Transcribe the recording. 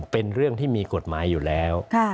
เป็นเรื่องที่มีกฎหมายอยู่แล้ว